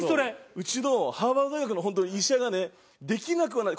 うちのハーバード大学の本当医者がねできなくはない。